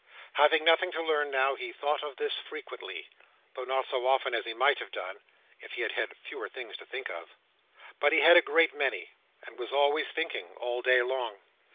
Having nothing to learn now, he thought of this frequently; though not so often as he might have done, if he had had fewer things to think of. But he had a great many; and was always thinking, all day long.